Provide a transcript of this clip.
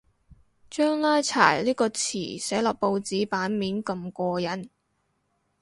將拉柴呢個詞寫落報紙版面咁過癮